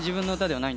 はい。